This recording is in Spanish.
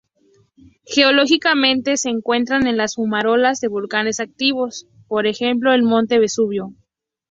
Geológicamente se encuentra en las fumarolas de volcanes activos, por ejemplo el Monte Vesubio.